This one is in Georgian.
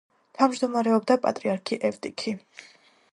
თავჯდომარეობდა პატრიარქი ევტიქი.